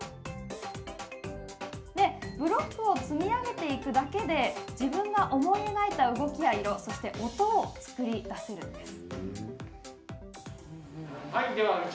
ブロックを積み上げていくだけで自分が思い描いた動きや色音を作り出せるんです。